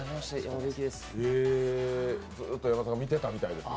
ずっと山田さんが見てたみたいです。